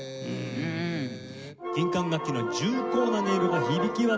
金管楽器の重厚な音色が響き渡り